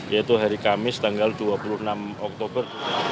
yaitu hari kamis tanggal dua puluh enam oktober